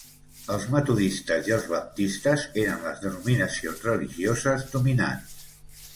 Els metodistes i els baptistes eren les denominacions religioses dominants.